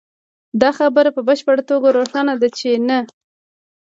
دا خبره په بشپړه توګه روښانه ده چې نه